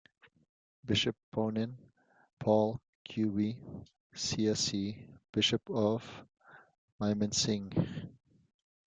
Bishop Ponen Paul Kubi, csc, Bishop of Mymensingh.